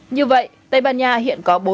như vậy tây ban nha hiện có bốn ba trăm sáu mươi sáu